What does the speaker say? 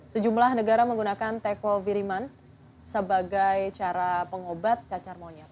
sejumlah negara menggunakan teko firiman sebagai cara pengobat cacar monyet